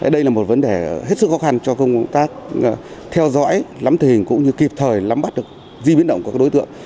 đây là một vấn đề hết sức khó khăn cho công tác theo dõi lắm tình hình cũng như kịp thời lắm bắt được di biến động của các đối tượng